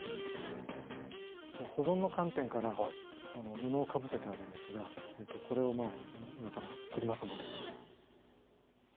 保存の観点から布をかぶせてあるんですがこれを今から取りますので。